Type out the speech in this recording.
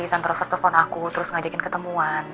tante rosa telepon aku terus ngajakin ketemuan